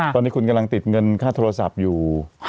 ตอนนี้คุณกำลังติดเงินค่าโทรศัพท์อยู่